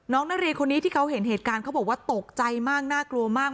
น้องนักเรียนคนนี้ที่เขาเห็นเหตุการณ์เขาบอกว่าตกใจมากน่ากลัวมาก